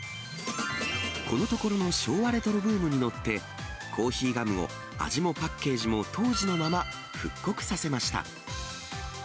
このところの昭和レトロブームに乗って、コーヒーガムを、味もパッケージも当時のまま、復刻させました。